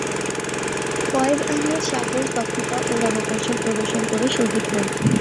ফয়েজ আহমদ সাহস, দক্ষতা ও রণকৌশল প্রদর্শন করে শহীদ হন।